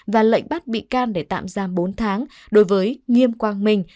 và lệnh bắt bị can để tạm giam bốn tháng đối với nghiêm quang minh